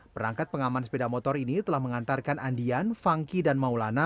perangkat pengaman sepeda motor ini telah mengantarkan andian fangki dan maulana